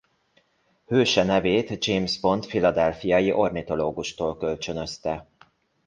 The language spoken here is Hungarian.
Hőse nevét James Bond philadelphiai ornitológustól kölcsönözte.